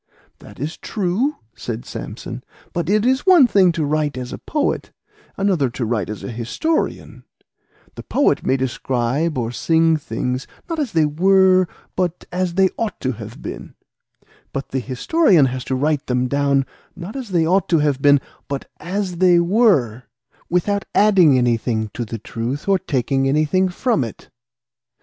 "That is true," said Samson; "but it is one thing to write as a poet, another to write as a historian; the poet may describe or sing things, not as they were, but as they ought to have been; but the historian has to write them down, not as they ought to have been, but as they were, without adding anything to the truth or taking anything from it."